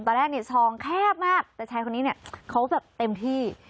ตอนแรกเนี่ยซองแคบมากแต่ชายคนนี้เนี่ยเขาแบบเต็มที่